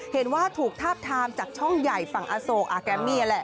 เห็นว่าถูกทาบทามจากช่องใหญ่ฝั่งอโศกอาแกมมี่แหละ